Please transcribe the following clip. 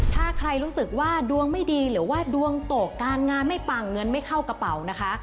ถ้าใครรู้สึกว่าดวงไม่ดีหรือว่าดวงตกการงานไม่ปังเงินไม่เข้ากระเป๋านะคะ